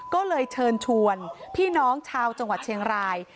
ก็เลยเชิญชวนพี่น้องชาวจังหวัดเชียงราย